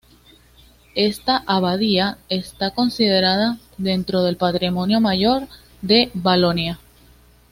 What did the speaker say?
Esta abadía está considerada dentro del "Patrimonio Mayor de Valonia".